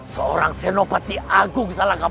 seorang senopati agung salangapura